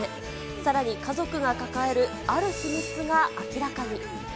さらに家族が抱えるある秘密が明らかに。